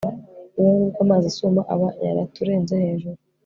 ubwo ngubwo amazi asuma aba yaraturenze hejuru